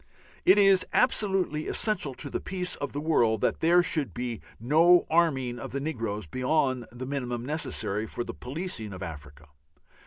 It is absolutely essential to the peace of the world that there should be no arming of the negroes beyond the minimum necessary for the policing of Africa.